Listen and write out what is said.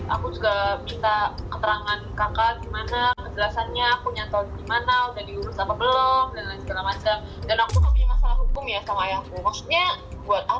aku juga minta keterangan kakak gimana penjelasannya aku nyatau gimana udah diurus apa belum dan lain sebagainya